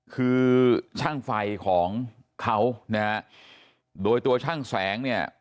คือช่างไฟของเขานะฮะโดยตัวช่างแสงเนี่ย